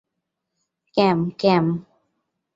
ক্যাম, ক্যাম।